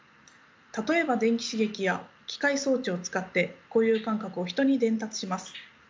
例えば電気刺激や機械装置を使って固有感覚を人に伝達します。